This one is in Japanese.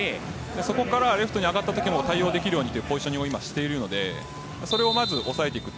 そこからレフトに上がった時対応できるようにというポジショニングをしているのでそれをまず抑えていく